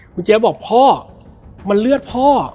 คุณเจ๊บอกพ่อมันเลือดพ่อ